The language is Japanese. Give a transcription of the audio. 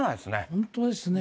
本当ですね。